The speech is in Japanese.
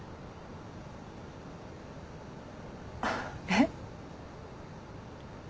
えっ？